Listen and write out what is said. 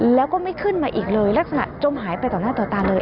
แล้วก็ไม่ขึ้นมาอีกเลยลักษณะจมหายไปต่อหน้าต่อตาเลย